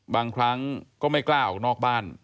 บางครั้งก็ไม่กล้าออกนอกบ้าน